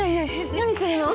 何するの？